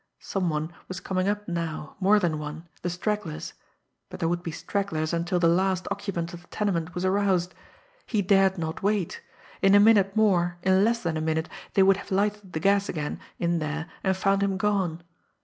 Some one was coming up now, more than one, the stragglers but there would be stragglers until the last occupant of the tenement was aroused. He dared not wait. In a minute more, in less than a minute, they would have lighted the gas again in there and found him gone.